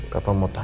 kau mau tidur apa